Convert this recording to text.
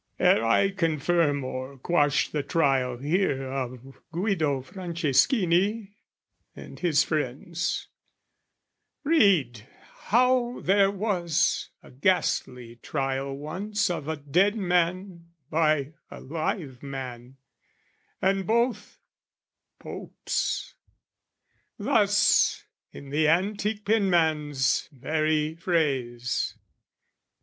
Ere I confirm or quash the Trial here Of Guido Franceschini and his friends, Read, how there was a ghastly Trial once Of a dead man by a live man, and both, Popes: Thus in the antique penman's very phrase.